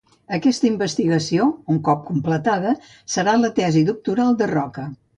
Aquesta investigació, un cop completada, serà la tesi doctoral de Roca.